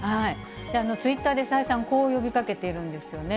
ツイッターで再三、こう呼びかけているんですよね。